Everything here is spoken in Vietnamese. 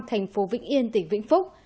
thành phố vĩnh yên tỉnh vĩnh phúc